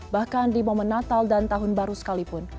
bahkan di momen natal dan tahun baru sekalipun